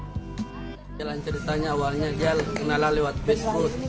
ceritanya awalnya dia kenalan lewat facebook